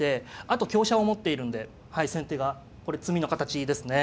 あと香車を持っているんで先手がこれ詰みの形ですね。